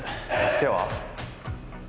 助けは？